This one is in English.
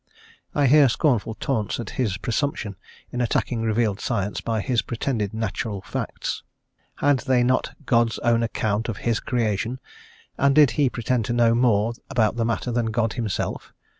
I hear scornful taunts at his presumption in attacking revealed science by his pretended natural facts. Had they not God's Own account of His creation, and did he pretend to know more about the matter than God Himself?